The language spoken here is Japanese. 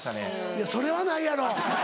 いやそれはないやろ。